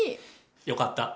よかった。